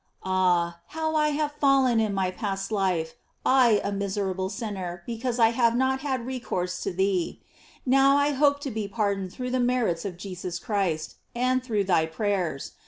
Ah, how have I fallen in my past life, I a miserable sinner, because I have not had recourse to thee! Now I hope to be pardoned through the merits of Jesus Christ, and through thy prayers.